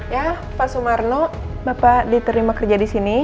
ya pak sumarno bapak diterima kerja di sini